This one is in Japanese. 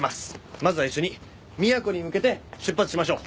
まずは一緒に宮古に向けて出発しましょう。